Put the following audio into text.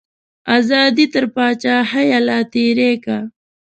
ازادي تر پاچاهیه لا تیری کا.